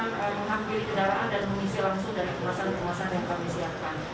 maka motoris ini akan menghampiri kedaraan dan mengisi langsung dari kemasan kemasan yang kami siapkan